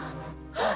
あっ！